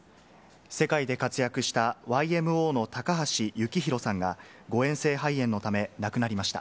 世界で活躍した、ＹＭＯの高橋幸宏さんが、誤嚥性肺炎のため亡くなりました。